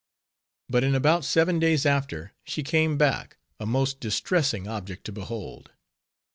But in about seven days after, she came back, a most distressing object to behold.